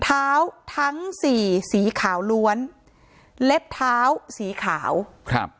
ทั้งสี่สีขาวล้วนเล็บเท้าสีขาวครับ